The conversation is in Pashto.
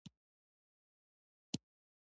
لیوه وویل چې زه یوازې د خوړو لپاره راغلی وم.